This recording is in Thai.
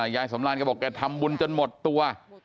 ยายสำรานแกบอกแกทำบุญจนหมดตัว